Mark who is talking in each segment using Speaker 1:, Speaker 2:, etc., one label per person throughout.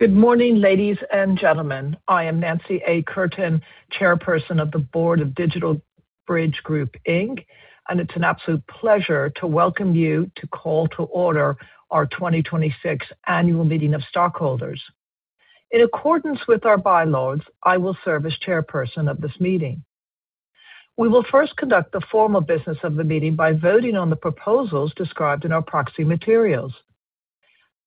Speaker 1: Good morning, ladies and gentlemen. I am Nancy A. Curtin, Chairperson of the Board of DigitalBridge Group, Inc., and it's an absolute pleasure to welcome you to call to order our 2026 Annual Meeting of Stockholders. In accordance with our bylaws, I will serve as chairperson of this meeting. We will first conduct the formal business of the meeting by voting on the proposals described in our proxy materials.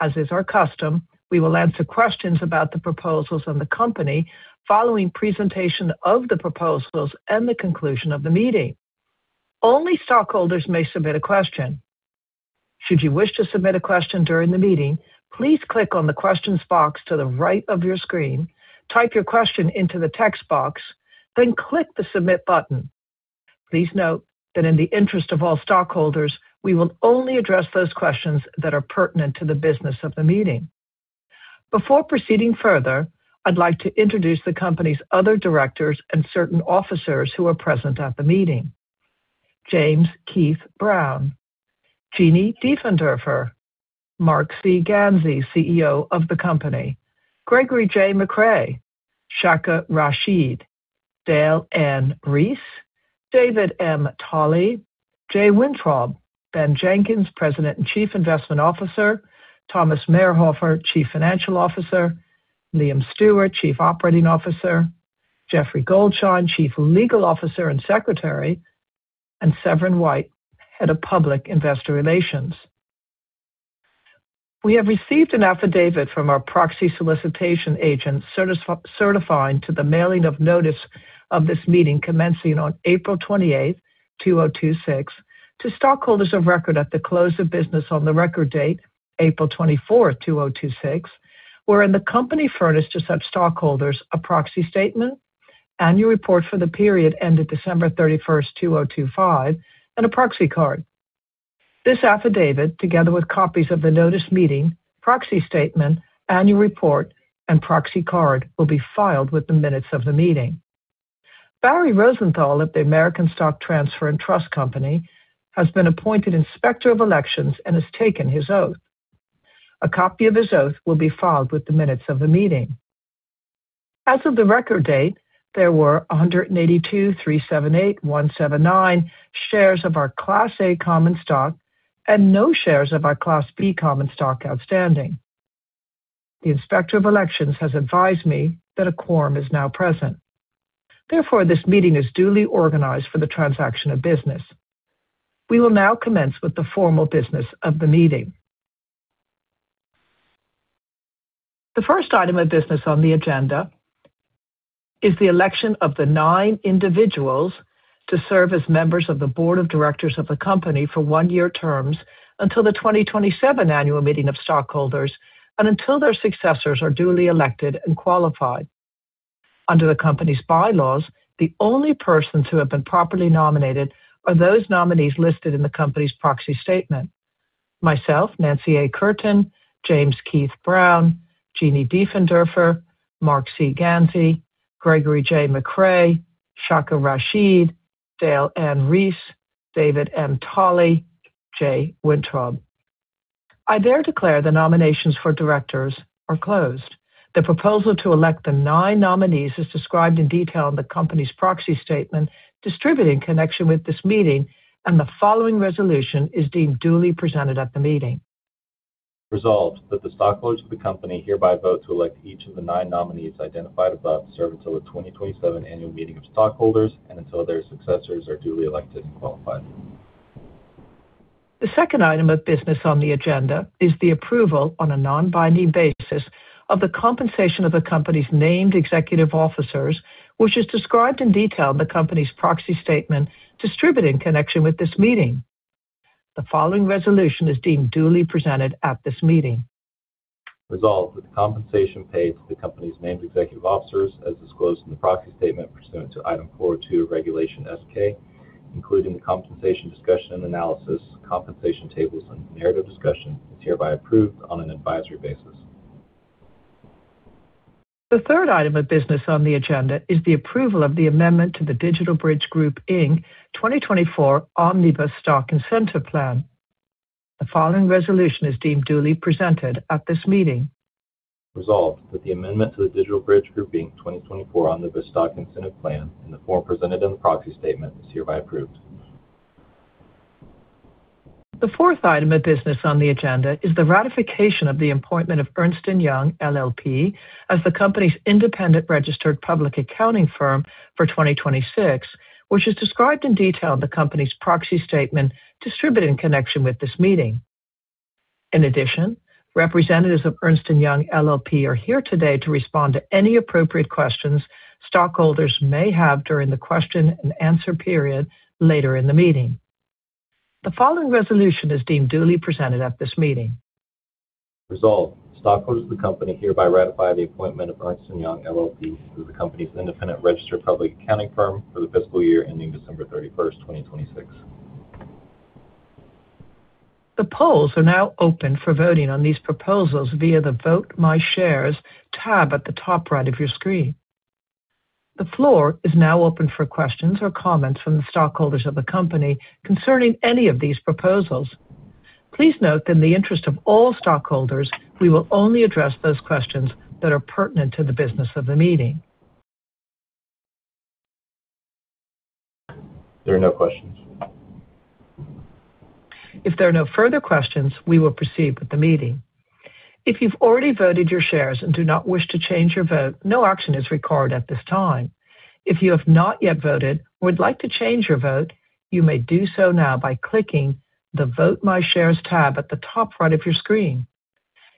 Speaker 1: As is our custom, we will answer questions about the proposals and the company following presentation of the proposals and the conclusion of the meeting. Only stockholders may submit a question. Should you wish to submit a question during the meeting, please click on the questions box to the right of your screen, type your question into the text box, then click the Submit button. Please note that in the interest of all stockholders, we will only address those questions that are pertinent to the business of the meeting. Before proceeding further, I'd like to introduce the company's other directors and certain officers who are present at the meeting. James Keith Brown, Jeannie Diefenderfer, Marc C. Ganzi, CEO of the company, Gregory J. McCray, Sháka Rasheed, Dale N. Reiss, David M. Tolley, Jay Wintrob, Ben Jenkins, President and Chief Investment Officer, Thomas Mayrhofer, Chief Financial Officer, Liam Stewart, Chief Operating Officer, Geoffrey Goldschein, Chief Legal Officer and Secretary, and Severin White, Head of Public Investor Relations. We have received an affidavit from our proxy solicitation agent, certifying to the mailing of notice of this meeting commencing on April 28, 2026, to stockholders of record at the close of business on the record date, April 24, 2026, wherein the company furnished to such stockholders a proxy statement, annual report for the period ending December 31, 2025, and a proxy card. This affidavit, together with copies of the notice meeting, proxy statement, annual report, and proxy card, will be filed with the minutes of the meeting. Barry Rosenthal of the American Stock Transfer & Trust Company has been appointed Inspector of Elections and has taken his oath. A copy of his oath will be filed with the minutes of the meeting. As of the record date, there were 182,378,179 shares of our Class A common stock and no shares of our Class B common stock outstanding. The Inspector of Elections has advised me that a quorum is now present. This meeting is duly organized for the transaction of business. We will now commence with the formal business of the meeting. The first item of business on the agenda is the election of the nine individuals to serve as members of the Board of Directors of the company for one-year terms until the 2027 Annual Meeting of Stockholders and until their successors are duly elected and qualified. Under the company's bylaws, the only persons who have been properly nominated are those nominees listed in the company's proxy statement. Myself, Nancy A. Curtin, James Keith Brown, Jeannie Diefenderfer, Marc C. Ganzi, Gregory J. McCray, Sháka Rasheed, Dale N. Reiss, David M. Tolley, Jay Wintrob. I dare declare the nominations for directors are closed. The proposal to elect the nine nominees is described in detail in the company's proxy statement distributed in connection with this meeting. The following resolution is deemed duly presented at the meeting.
Speaker 2: Resolved that the stockholders of the company hereby vote to elect each of the nine nominees identified above to serve until the 2027 Annual Meeting of Stockholders and until their successors are duly elected and qualified.
Speaker 1: The second item of business on the agenda is the approval on a non-binding basis of the compensation of the company's named executive officers, which is described in detail in the company's proxy statement distributed in connection with this meeting. The following resolution is deemed duly presented at this meeting.
Speaker 2: Resolved that the compensation paid to the company's named executive officers, as disclosed in the proxy statement pursuant to Item 402 of Regulation S-K, including the compensation discussion and analysis, compensation tables, and narrative discussion, is hereby approved on an advisory basis.
Speaker 1: The third item of business on the agenda is the approval of the amendment to the DigitalBridge Group, Inc. 2024 Omnibus Stock Incentive Plan. The following resolution is deemed duly presented at this meeting.
Speaker 2: Resolved that the amendment to the DigitalBridge Group, Inc. 2024 Omnibus Stock Incentive Plan in the form presented in the proxy statement is hereby approved.
Speaker 1: The fourth item of business on the agenda is the ratification of the appointment of Ernst & Young LLP as the company's independent registered public accounting firm for 2026, which is described in detail in the company's proxy statement distributed in connection with this meeting. In addition, representatives of Ernst & Young LLP are here today to respond to any appropriate questions stockholders may have during the question-and-answer period later in the meeting. The following resolution is deemed duly presented at this meeting.
Speaker 2: Resolved, stockholders of the company hereby ratify the appointment of Ernst & Young LLP as the company's independent registered public accounting firm for the fiscal year ending December 31st, 2026.
Speaker 1: The polls are now open for voting on these proposals via the Vote My Shares tab at the top right of your screen. The floor is now open for questions or comments from the stockholders of the company concerning any of these proposals. Please note that in the interest of all stockholders, we will only address those questions that are pertinent to the business of the meeting.
Speaker 2: There are no questions.
Speaker 1: If there are no further questions, we will proceed with the meeting. If you've already voted your shares and do not wish to change your vote, no action is required at this time. If you have not yet voted or would like to change your vote, you may do so now by clicking the Vote My Shares tab at the top right of your screen.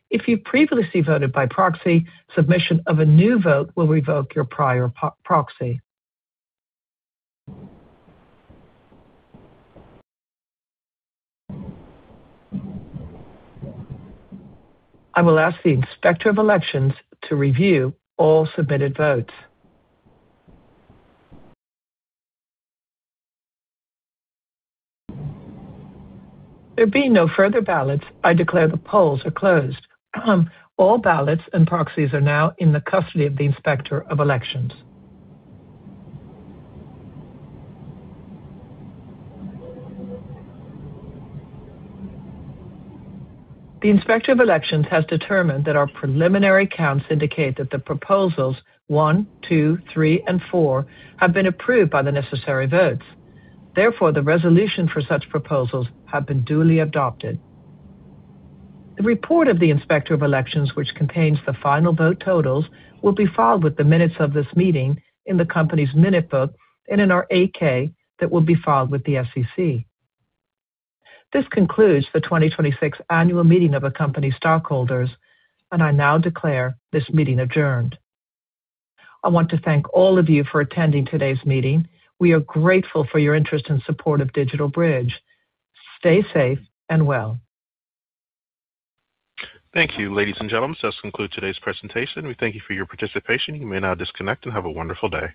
Speaker 1: If you previously voted by proxy, submission of a new vote will revoke your prior proxy. I will ask the Inspector of Elections to review all submitted votes. There being no further ballots, I declare the polls are closed. All ballots and proxies are now in the custody of the Inspector of Elections. The Inspector of Elections has determined that our preliminary counts indicate that the proposals one, two, three, and four have been approved by the necessary votes. Therefore, the resolution for such proposals have been duly adopted. The report of the Inspector of Elections, which contains the final vote totals, will be filed with the minutes of this meeting in the company's minute book and in our 8-K that will be filed with the SEC. This concludes the 2026 annual meeting of the company stockholders, and I now declare this meeting adjourned. I want to thank all of you for attending today's meeting. We are grateful for your interest and support of DigitalBridge. Stay safe and well.
Speaker 3: Thank you, ladies and gentlemen. This concludes today's presentation. We thank you for your participation. You may now disconnect and have a wonderful day.